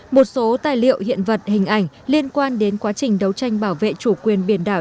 một số tài liệu hiện vật hình ảnh liên quan đến quá trình đấu tranh bảo vệ chủ quyền biển đảo